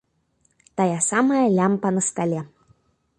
Тая самая лямпа на стале.